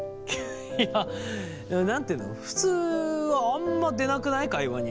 いや何て言うの普通はあんまりでなくない？会話に。